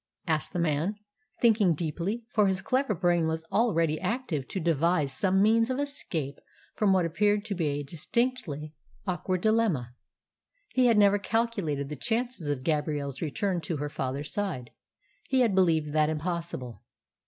asked the man, thinking deeply, for his clever brain was already active to devise some means of escape from what appeared to be a distinctly awkward dilemma. He had never calculated the chances of Gabrielle's return to her father's side. He had believed that impossible.